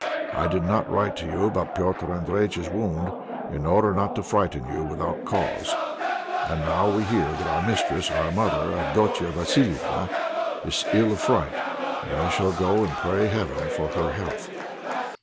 I did not write to you about Petr' Andréjïtch's wound in order not to frighten you without cause, and now we hear that our mistress, our mother, Avdotia Vassiliéva is ill of fright, and I shall go and pray heaven for her health.